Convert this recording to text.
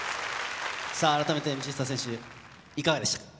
改めて道下選手、いかがでしたか？